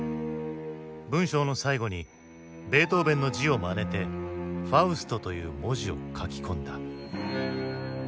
文章の最後にベートーヴェンの字をまねて「ファウスト」という文字を書き込んだ。